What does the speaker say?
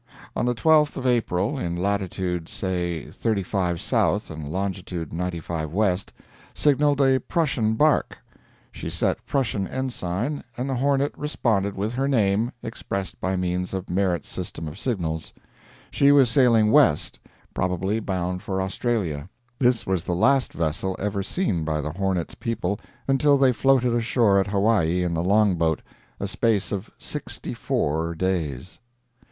On the 12th of April, in latitude, say, 35 south and longitude 95 west, signaled a Prussian bark—she set Prussian ensign, and the Hornet responded with her name, expressed by means of Merritt's system of signals. She was sailing west—probably bound for Australia. This was the last vessel ever seen by the Hornet's people until they floated ashore at Hawaii in the long boat—a space of sixty four days.